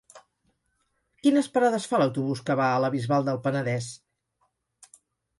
Quines parades fa l'autobús que va a la Bisbal del Penedès?